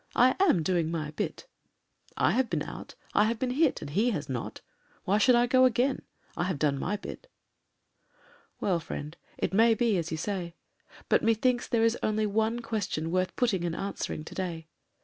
I am doing my bit." "I have been out; I have been hit — and he has not. Why should I go again? I have done my bit." Well, friend, it may be as you say. But methinks there is only one question worth putting and answering to day.